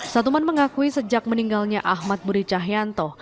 satuman mengakui sejak meninggalnya ahmad budi cahyanto